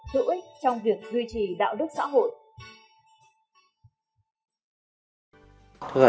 hữu ích trong việc duy trì đạo đức xã hội